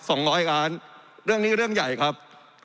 สองร้อยล้านเรื่องนี้เรื่องใหญ่ครับ